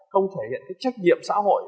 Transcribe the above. không thể hiện cái trách nhiệm xã hội